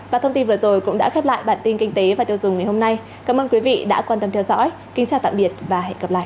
và thông tin vừa rồi cũng đã khép lại bản tin kinh tế và tiêu dùng ngày hôm nay cảm ơn quý vị đã quan tâm theo dõi kính chào tạm biệt và hẹn gặp lại